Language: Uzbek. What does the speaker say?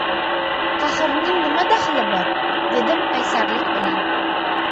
— Qahrning nima daxli bor? — dedim qaysarlik bilan. —